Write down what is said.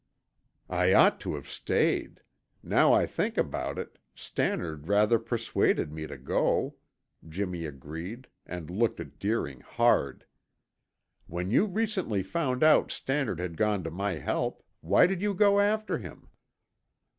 "I ought to have stayed. Now I think about it, Stannard rather persuaded me to go," Jimmy agreed and looked at Deering hard. "When you recently found out Stannard had gone to my help, why did you go after him?"